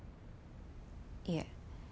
いえ